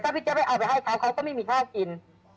พี่แจ๊ไปเอาไปให้เขาเขาก็ไม่มีข้าวกิน